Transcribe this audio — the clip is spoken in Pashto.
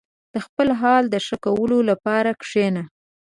• د خپل حال د ښه کولو لپاره کښېنه.